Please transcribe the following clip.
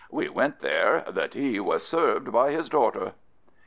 We went there; the tea was served by his daughter."